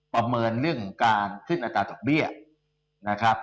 ประเมินเรื่องของการขึ้นอัตราตกเรียบ